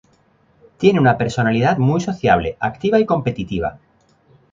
Tiene una personalidad muy sociable, activa y competitiva.